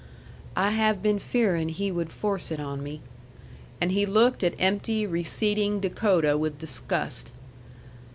"I have been fearing he would force it on me." And he looked at empty, receding Dakota with disgust.